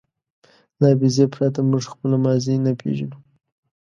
له حافظې پرته موږ خپله ماضي نه پېژنو.